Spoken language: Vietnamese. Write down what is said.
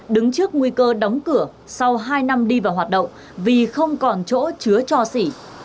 đứng trước nguy cơ đóng cửa sau hai năm đi vào hoạt động vì không còn chỗ chứa cho xỉ